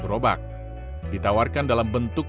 gerobak ditawarkan dalam bentuk